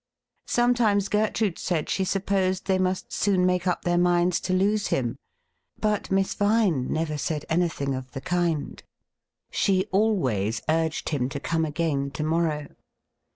Sometimes Gertrude said she supposed they must soon make up their minds to lose him. J JBut Miss Vine never said an3l;hing of the kind. She 68 THE RIDDLE RING always urged him to come again to morrow.